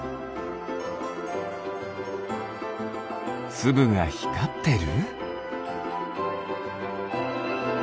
つぶがひかってる？